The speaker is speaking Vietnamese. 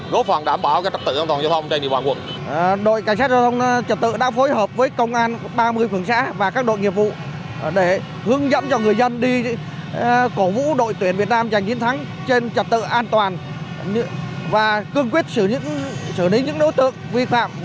góp phòng đảm bảo các trật tự an toàn giao thông trên địa bàn quận